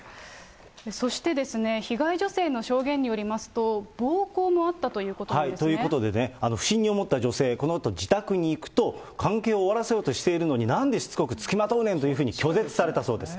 そして被害女性の証言によりますと、暴行もあったということなんですね。ということでね、不審に思った女性、このあと自宅に行くと、関係を終わらせようとしているのに、なんでしつこく付きまとうねんというふうに拒絶されたそうです。